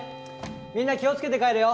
みんな気をつけて帰れよ！